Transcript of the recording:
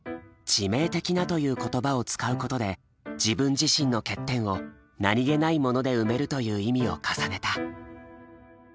致命的なという言葉を使うことで自分自身の欠点を何気ないもので埋めるという意味を重ねた。